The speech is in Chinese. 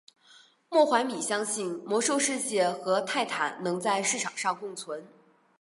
莫怀米相信魔兽世界和泰坦能在市场上共存。